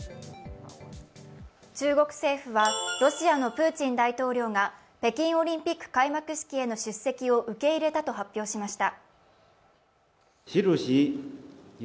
中国政府はロシアのプーチン大統領が北京オリンピック開幕式への出席を受け入れたと発表しました。